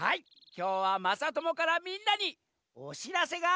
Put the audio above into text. きょうはまさともからみんなにおしらせがあるみたいざんす！